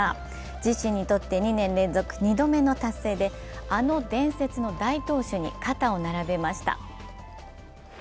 自身にとって２年連続２度目の達成であの伝説の大投手に肩を並べました。